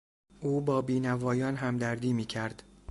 او با بینوایان همدردی میکرد.